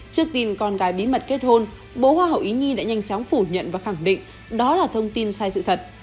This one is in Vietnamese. trước tin con gái bí mật kết hôn bố hoa hậu ý nhi đã nhanh chóng phủ nhận và khẳng định đó là thông tin sai sự thật